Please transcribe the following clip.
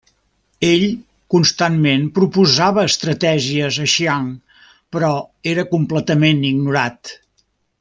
Ell constantment proposava estratègies a Xiang, però era completament ignorat.